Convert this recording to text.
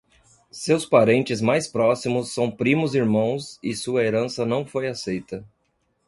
Seus parentes mais próximos são primos irmãos e sua herança não foi aceita.